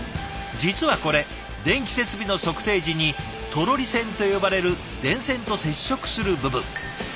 実はこれ電気設備の測定時に「トロリ線」と呼ばれる電線と接触する部分。